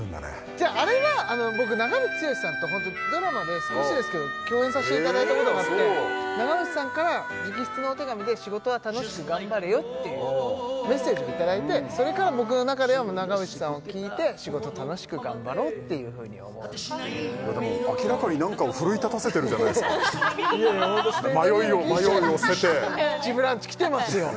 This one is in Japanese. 違うあれは僕長渕剛さんとホントドラマで少しですけど共演させていただいたことがあって長渕さんから直筆のお手紙で「仕事は楽しく頑張れよ」っていうメッセージをいただいてそれから僕の中では長渕さんを聴いて「仕事楽しく頑張ろう」っていうふうに思うでも明らかに何かを奮い立たせてるじゃないっすかいやホント「ＳＴＡＹＤＲＥＡＭ」を聴いて迷いを捨てて「プチブランチ」来てますよ